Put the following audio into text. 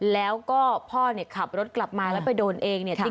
แล้วก็พ่อเนี่ยขับรถกลับมาแล้วไปโดนเองเนี่ย